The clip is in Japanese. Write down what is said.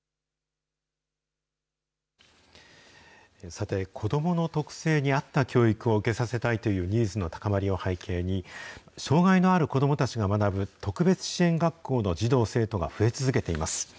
さて、子どもの特性に合った教育を受けさせたいというニーズの高まりを背景に、障害のある子どもたちが学ぶ特別支援学校の児童・生徒が増え続けています。